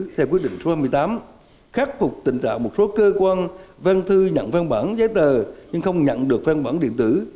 theo quyết định số hai mươi tám khắc phục tình trạng một số cơ quan văn thư nhận văn bản giấy tờ nhưng không nhận được văn bản điện tử